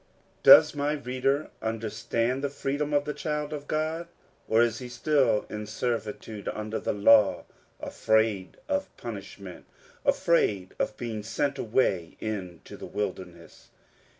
Does my reader understand the freedom of the child of God ? or is he still in servitude under the law, afraid of punishment, afraid of being sent away into the wilderness